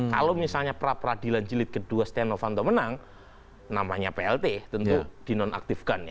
kalau misalnya pra peradilan cilit kedua steno fanto menang namanya plt tentu dinonaktifkan